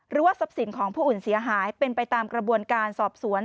หรือว่าทรัพย์สินของผู้อื่นเสียหายเป็นไปตามกระบวนการสอบสวน